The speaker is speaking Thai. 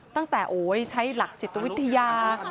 ตั้งแต่ใช้หลักจิตวิทยา